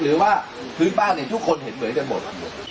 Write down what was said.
หรือว่าพื้นบ้านเนี่ยทุกคนเห็นเหมือนกันหมด